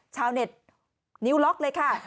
ชาวเน็ตนิ้วล็อกเลยค่ะ